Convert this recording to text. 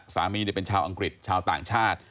สามีเป็นชาวอังกฤษชาวต่างชาติ